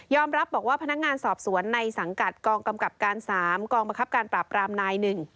รับบอกว่าพนักงานสอบสวนในสังกัดกองกำกับการ๓กองบังคับการปราบรามนาย๑